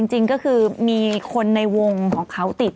จริงก็คือมีคนในวงของเขาติด